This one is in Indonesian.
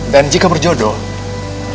dan jika berjodoh